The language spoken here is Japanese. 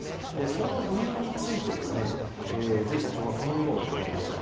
その理由について前社長は、こう語りました。